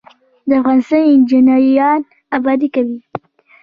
د افغانستان انجنیران ابادي کوي